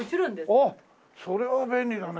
あっそれは便利だね